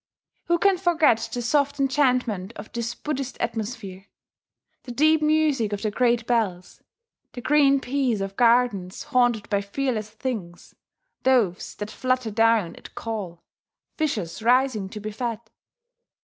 Who can forget the soft enchantment of this Buddhist atmosphere? the deep music of the great bells? the green peace of gardens haunted by fearless things, doves that flutter down at call, fishes rising to be fed?